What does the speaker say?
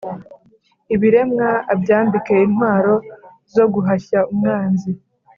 ibiremwa abyambike intwaro zo guhashya umwanzi.